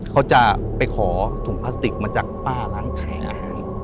เขาจะไปขอถุงพลาสติกมาจากป้าร้านขายอาหาร